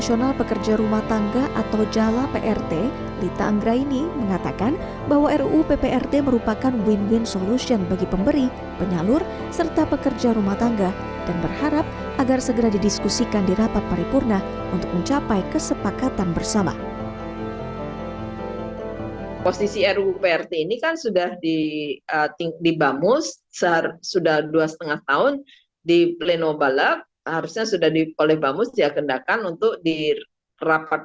orang tua korban mengatakan tidak menyangka